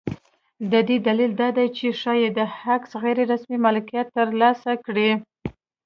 د دې دلیل دا دی چې ښایي دا کس غیر رسمي مالکیت ترلاسه کړي.